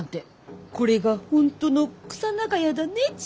これが本当のクサ長屋だねち